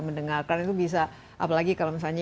mendengarkan itu bisa apalagi kalau misalnya